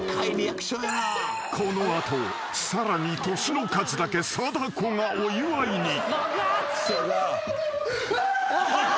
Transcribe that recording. ［この後さらに年の数だけ貞子がお祝いに］